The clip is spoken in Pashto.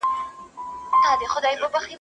نوي چاپ شوي کتابونه بايد ځوانانو ته معرفي شي.